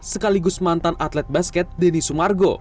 sekaligus mantan atlet basket denny sumargo